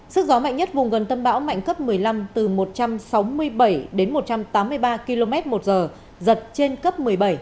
sức gió mạnh nhất vùng gần tâm bão mạnh cấp một mươi năm từ một trăm sáu mươi bảy đến một trăm tám mươi ba km một giờ giật trên cấp một mươi bảy